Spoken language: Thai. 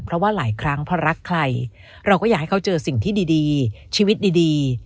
เพราะว่าหลายครั้งพอรักใครเราก็อยากให้เขาเจอสิ่งที่ดีชีวิตดี